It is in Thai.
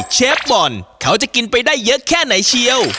บ่อนเขาจะกินไปได้เยอะแค่ไหนเชียว